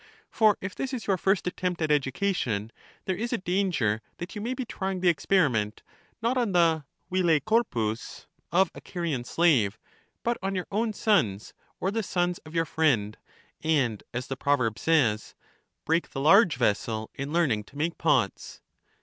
For if this is your first attempt at education, there is a danger that you may be trjang the experiment, not on the " vile corpus " of a Carian slave, but on your own sons, or the sons of your friend; and as the proverb says, " break the large vessel in learning to make pots."